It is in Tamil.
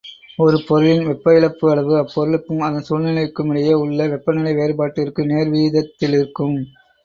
ஒரு பொருளின் வெப்ப இழப்பு அளவு, அப்பொருளுக்கும் அதன் சூழ்நிலைக்குமிடையே உள்ள வெப்பநிலை வேறுபாட்டிற்கு நேர்வீதத்திலிருக்கும்.